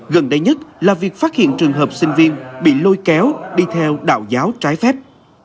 gần đây nhất là việc phát hiện trường hợp sinh viên bị lôi kéo đi theo đạo giáo trái phép